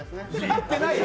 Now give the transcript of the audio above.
いってないよ。